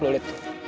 lo liat tuh